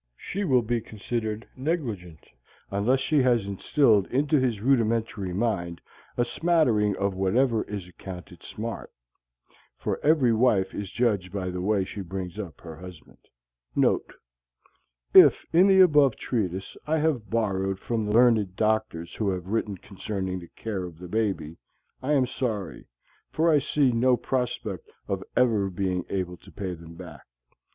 She will be considered negligent unless she has instilled into his rudimentary mind a smattering of whatever is accounted smart. For every wife is judged by the way she brings up her husband. Note. If in the above treatise I have borrowed from the learned doctors who have written concerning the Care of the Baby, I am sorry; for I see no prospect of ever being able to pay them back.